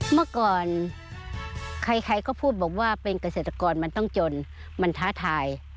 เมื่อก่อนใครก็พูดบอกว่าเป็นเกษตรกรมันต้องจนมันท้าทาย